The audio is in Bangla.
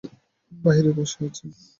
বাহিরে বসে আছে?